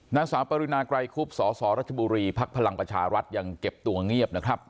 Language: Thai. นางสาวปรินาไกรคุบสสรัชบุรีภักดิ์พลังประชารัฐยังเก็บตัวเงียบนะครับ